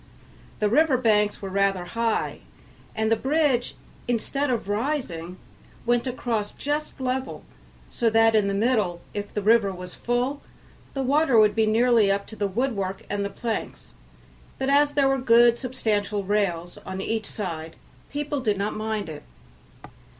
The river banks were rather high, and the bridge, instead of rising, went across just level, so that in the middle, if the river was full, the water would be nearly up to the woodwork and planks; but as there were good substantial rails on each side, people did not mind it.